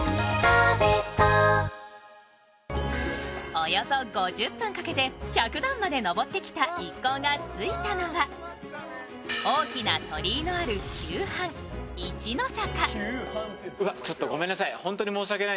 およそ５０分かけて１００段まで上ってきた一行が着いたのは大きな鳥居のある急坂・一之坂。